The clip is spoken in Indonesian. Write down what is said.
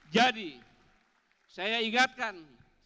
jadi saya ingatkan